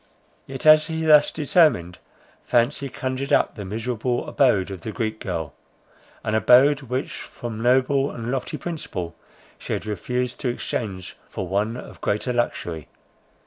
Yet, as he thus determined, fancy conjured up the miserable abode of the Greek girl. An abode, which from noble and lofty principle, she had refused to exchange for one of greater luxury.